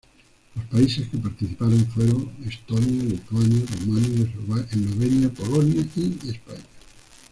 Los países que participaron fueron: Estonia, Lituania, Rumania, Eslovenia, Polonia y España.